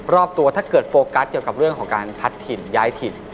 รอบตัวถ้าเกิดโฟกัสเกี่ยวกับเรื่องของการพัดถิ่นย้ายถิ่น